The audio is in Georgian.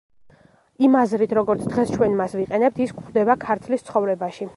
იმ აზრით, როგორც დღეს ჩვენ მას ვიყენებთ, ის გვხვდება „ქართლის ცხოვრებაში“.